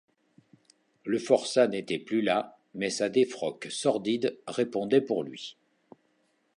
Le forçat n’était plus là, mais sa défroque sordide répondait pour lui.